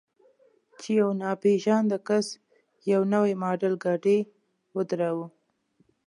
چې یو ناپېژانده کس یو نوی ماډل ګاډی ودراوه.